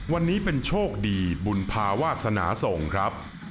วันนี้เป็นโชคดีบุญภาวาสนาส่งครับ